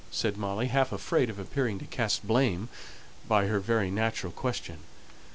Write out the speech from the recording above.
said Molly, half afraid of appearing to cast blame by her very natural question.